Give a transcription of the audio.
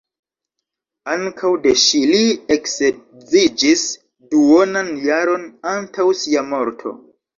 Ankaŭ de ŝi li eksedziĝis duonan jaron antaŭ sia morto.